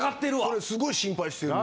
それすごい心配してる。